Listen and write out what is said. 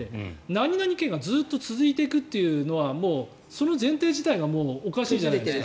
何々家がずっと続いていくというのはもうその前提自体がおかしいじゃないですか。